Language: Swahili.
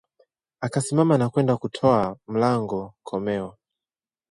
Akasimama na kwenda kutoa mlango komeo